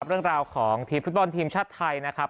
เรื่องราวของทีมฟุตบอลทีมชาติไทยนะครับ